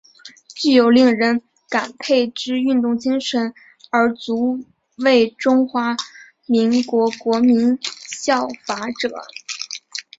具有令人感佩之运动精神而足为中华民国国民效法者。